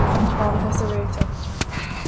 Thángthas ar réiteach.